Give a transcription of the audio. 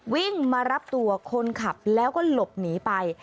วิ่งมารับตัวคนขับแล้วก็หลบหนีไป